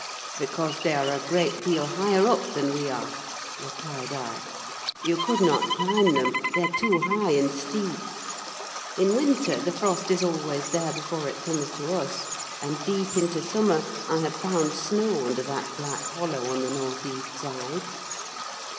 "Because they are a great deal higher up than we are," replied I; "you could not climb them, they are too high and steep. In winter the frost is always there before it comes to us; and deep into summer I have found snow under that black hollow on the north east side!"